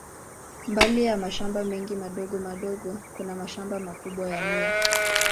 Mbali ya mashamba mengi madogo madogo, kuna mashamba makubwa ya miwa.